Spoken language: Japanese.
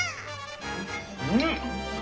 うん！